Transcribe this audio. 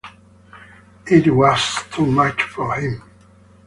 It was too much for him.